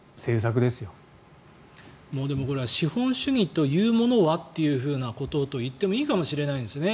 これは資本主義というものは？ということと言ってもいいかもしれないですね